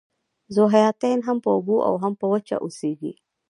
ذوحیاتین هم په اوبو او هم په وچه اوسیږي